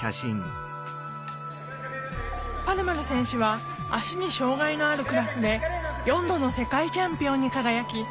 パルマル選手は足に障害のあるクラスで４度の世界チャンピオンに輝き